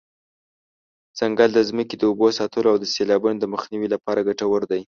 ځنګل د ځمکې د اوبو ساتلو او د سیلابونو د مخنیوي لپاره ګټور دی.